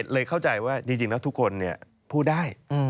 เข้าใจว่าจริงแล้วทุกคนพูดได้